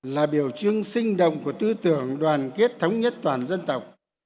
là biểu trưng sinh động của tư tưởng đoàn kết thống nhất toàn dân tộc